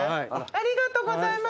ありがとうございます。